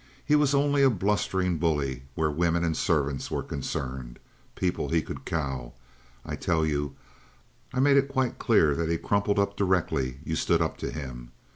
He was only a blustering bully where women and servants were concerned people he could cow. I tell you, I made it quite clear that he crumpled up directly you stood up to him.